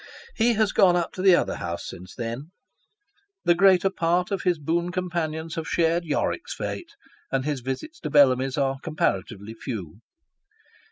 He has gone up to the other House since then ; the greater part of his boon companions have shared Yorick's fate, and his visits to Bellamy's are comparatively few.